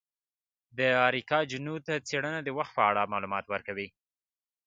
د اریکا چنووت څیړنه د وخت په اړه معلومات ورکوي.